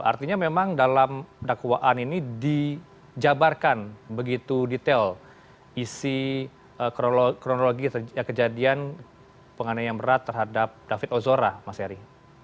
artinya memang dalam dakwaan ini dijabarkan begitu detail isi kronologi kejadian penganiayaan berat terhadap david ozora mas eri